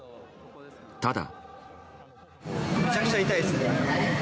ただ。